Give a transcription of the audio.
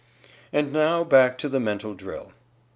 And now, back to the Mental Drill.